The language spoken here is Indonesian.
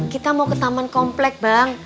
kita mau ke taman komplek bang